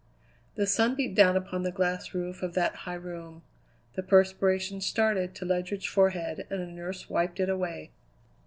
The sun beat down upon the glass roof of that high room; the perspiration started to Ledyard's forehead and a nurse wiped it away.